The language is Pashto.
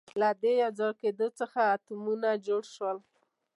د دې له یوځای کېدو څخه اتمونه جوړ شول.